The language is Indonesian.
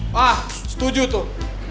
wah setuju tuh